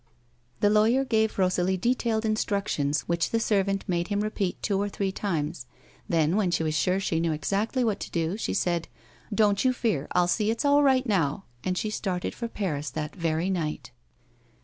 The lawyer gave Rosalie detailed instructions which the servant made him repeat two or three times ; then, when she was sure she knew exactly what to do, she said: " Don't you fear ; I'll see it's all right now." And she started for Paris that very night.